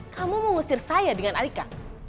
kamu mengusir saya dengan alika